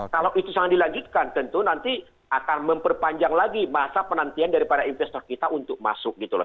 kalau itu sangat dilanjutkan tentu nanti akan memperpanjang lagi masa penantian dari para investor kita untuk masuk gitu loh